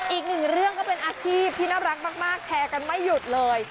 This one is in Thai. อีกหนึ่งเรื่องก็เป็นอาชีพที่น่ารักมากแชร์กันไม่หยุดเลย